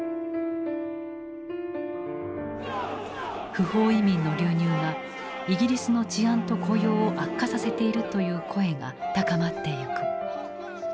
不法移民の流入がイギリスの治安と雇用を悪化させているという声が高まってゆく。